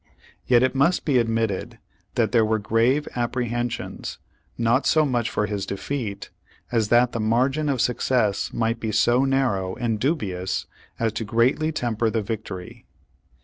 Yet it must be admitted that there were grave apprehensions, not so much for his defeat, as that the margin of success might be so narrow and dubious, as to greatly temper the victory.